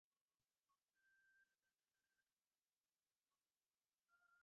তিনি যেমন আত্মসমর্পণ করিয়াছেন, তেমনি সমস্ত জগৎ আপন ইচ্ছায় তাঁহার নিকটে ধরা দিয়াছে।